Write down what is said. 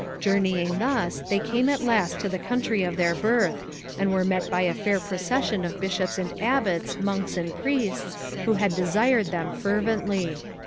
Journeying thus they came at last to the country of their birth, and were met by a fair procession of bishops and abbots, monks and priests, who had desired them fervently.